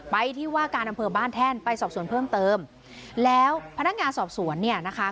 ไปที่ว่าการอำเภอบ้านแท่นไปสอบสวนเพิ่มเติมแล้วพนักงานสอบสวนเนี่ยนะคะ